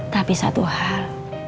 tapi satu hal